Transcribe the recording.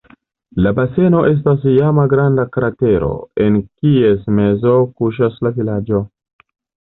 La baseno estas iama granda kratero, en kies mezo kuŝas la vilaĝo.